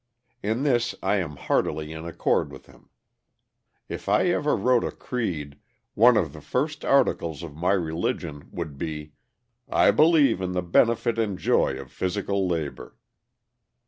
In this I am heartily in accord with him. If I ever wrote a creed one of the first articles of my religion would be: "I believe in the benefit and joy of physical labor."